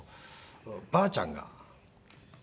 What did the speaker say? ばあちゃんが？